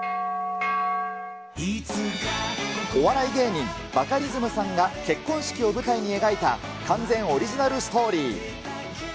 お笑い芸人、バカリズムさんが結婚式を舞台に描いた完全オリジナルストーリー。